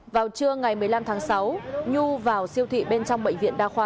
vào trưa ngày một mươi năm tháng sáu nhu vào siêu thị bên trong bệnh viện đa khoa